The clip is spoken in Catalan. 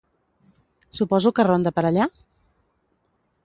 Suposo que ronda per allà?